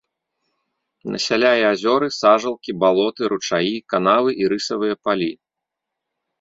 Насяляе азёры, сажалкі, балоты, ручаі, канавы і рысавыя палі.